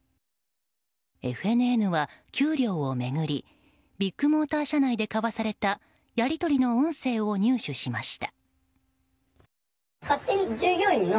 ＦＮＮは給料を巡りビッグモーター社内で交わされたやり取りの音声を入手しました。